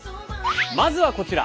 まずはこちら！